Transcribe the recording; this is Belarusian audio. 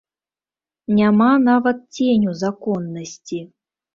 Няма нават ценю законнасці.